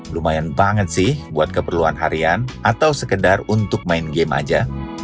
lumayan banget sih buat keperluan harian atau sekedar untuk main game aja